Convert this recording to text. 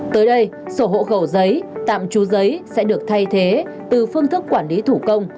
tới đây sổ hộ khẩu giấy tạm trú giấy sẽ được thay thế từ phương thức quản lý thủ công